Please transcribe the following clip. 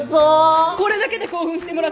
これだけで興奮してもらっちゃ困るわ。